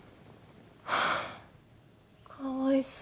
ハァかわいそう。